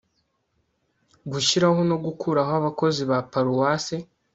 gushyiraho no gukuraho abakozi ba paruwase